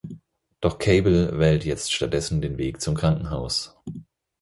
Doch Cable wählt jetzt stattdessen den Weg zum Krankenhaus.